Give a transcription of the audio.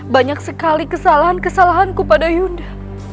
banyak sekali kesalahan kesalahanku pada yunda